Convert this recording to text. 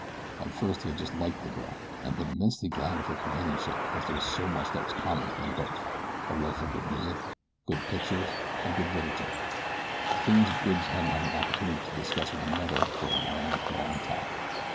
At first he had just liked the girl, and been immensely glad of her companionship because there was so much that was common to them both a love for good music, good pictures, and good literature things Bridge hadn't had an opportunity to discuss with another for a long, long time.